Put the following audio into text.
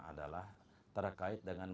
adalah terkait dengan